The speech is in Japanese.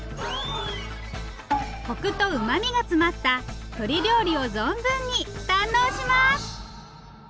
コクとうまみが詰まった鶏料理を存分に堪能します！